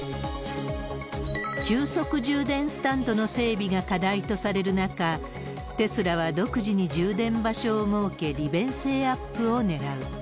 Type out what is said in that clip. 急速充電スタンドの整備が課題とされる中、テスラは独自に充電場所を設け、利便性アップをねらう。